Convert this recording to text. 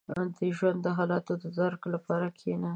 • د ژوند د حالاتو د درک لپاره کښېنه.